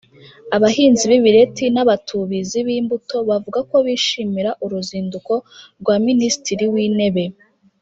Abahinzi b’ibireti n’abatubizi b’imbuto bavuga ko bishimira uruzinduko rwa Minisitiri w’Intebe